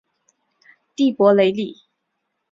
蒂珀雷里。